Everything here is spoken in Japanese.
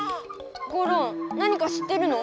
ゴロン何か知ってるの？